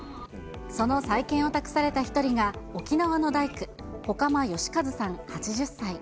その再建を託された１人が、沖縄の大工、外間義和さん８０歳。